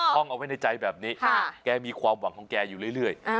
ห้องเอาไว้ในใจแบบนี้แกมีความหวังของแกอยู่เรื่อย